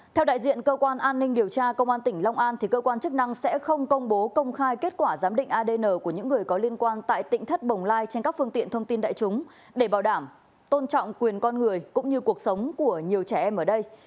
theo đại diện cơ quan an ninh điều tra công an tỉnh long an cơ quan chức năng sẽ không công bố công khai kết quả giám định adn của những người có liên quan tại tỉnh thất bồng lai trên các phương tiện thông tin đại chúng để bảo đảm tôn trọng quyền con người cũng như cuộc sống của nhiều trẻ em ở đây